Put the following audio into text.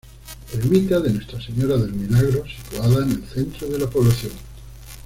Ermita de Nuestra Señora del Milagro, situada en el centro de la población.